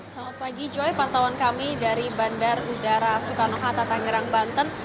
selamat pagi joy pantauan kami dari bandar udara soekarno hatta tangerang banten